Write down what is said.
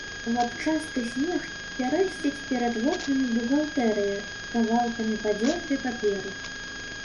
Лапчасты снег пярэсціць перад вокнамі бухгалтэрыі кавалкамі падзёртай паперы.